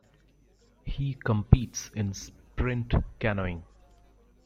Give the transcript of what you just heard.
He competes in sprint canoeing.